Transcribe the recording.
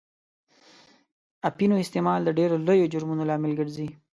اپینو استعمال د ډېرو لویو جرمونو لامل ګرځي.